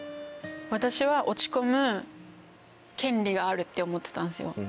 私は落ち込む権利があるって思ってたんですよ。